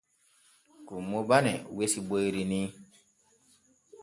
Kummo bane wesi boyri ni.